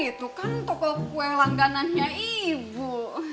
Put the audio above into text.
itu kan toko kue langganannya ibu